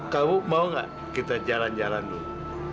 kamu mau gak kita jalan jalan dulu